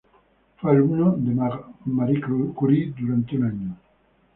Fue alumno de Marie Curie durante un año.